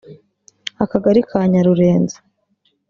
Akagari ka Nyarurenzi